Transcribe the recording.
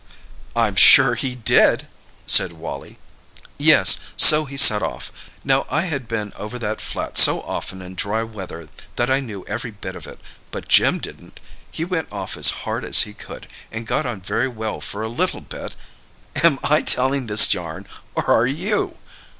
'" "I'm sure he did!" said Wally. "Yes. So he set off. Now I had been over that flat so often in dry weather that I knew every bit of it. But Jim didn't. He went off as hard as he could, and got on very well for a little bit—" "Am I telling this yarn, or are you?"